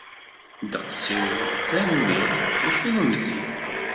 Ddeqs-iw, tanemmirt. I kennemti?